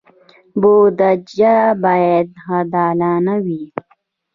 بودجه باید عادلانه وي